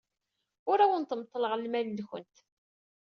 Ur awent-meḍḍleɣ lmal-nwent.